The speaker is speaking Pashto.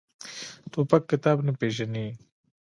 توپک کتاب نه پېژني.